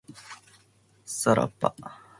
さらば